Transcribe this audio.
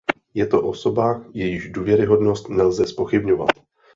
Je to osoba, jejíž důvěryhodnost nelze zpochybňovat.